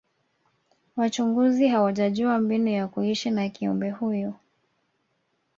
wachunguzi hawajajua mbinu ya kuishi na kiumbe huyu